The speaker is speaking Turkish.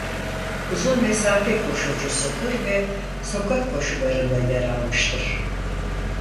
Uzun mesafe koşucusudur ve sokak koşularında yer almıştır.